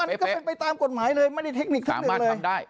อันนี้ก็เป็นไปตามกฎหมายเลยไม่ได้เทคนิคสักหนึ่งเลย